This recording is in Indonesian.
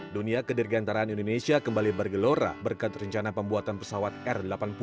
dunia kedirgantaraan indonesia kembali bergelora berkat rencana pembuatan pesawat r delapan puluh